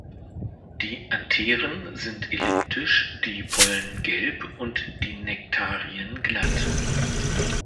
Die Antheren sind elliptisch, die Pollen gelb und die Nektarien glatt.